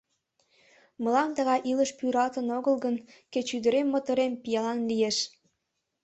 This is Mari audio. Мылам тыгай илыш пӱралтын огыл гын, кеч ӱдырем-моторем пиалан лиеш...